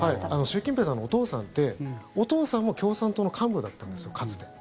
習近平さんのお父さんってお父さんも共産党の幹部だったんですよ、かつて。